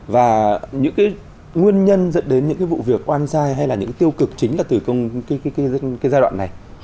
và những cái nguyên nhân dẫn đến những cái vụ việc oan sai hay là những cái tiêu cực chính là từ cái giai đoạn này